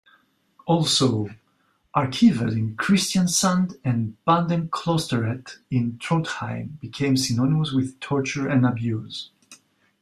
Also, Arkivet in Kristiansand and Bandeklosteret in Trondheim became synonymous with torture and abuse.